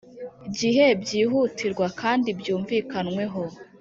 Gihe byihutirwa kandi byumvikanweho